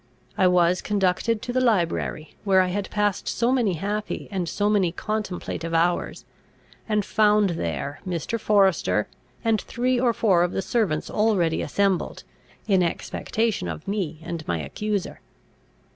I was conducted to the library, where I had passed so many happy and so many contemplative hours, and found there Mr. Forester and three or four of the servants already assembled, in expectation of me and my accuser.